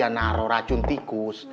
ada naro racun tikus